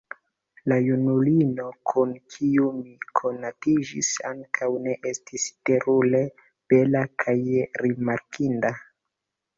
La junulino kun kiu mi konatiĝis, ankaŭ ne estis terure bela kaj rimarkinda.